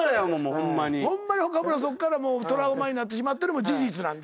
ホンマに岡村そっからトラウマになってしまったのも事実なんですよね。